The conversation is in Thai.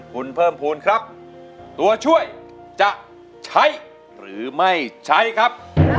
คุณเพิ่มภูมิครับตัวช่วยจะใช้หรือไม่ใช้ครับ